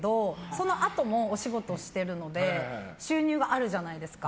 そのあとも、お仕事をしてるので収入があるじゃないですか。